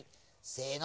せの！